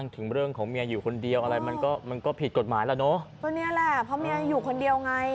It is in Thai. ตรงนี้แหละเพราะเมียอยู่คนเดียวไง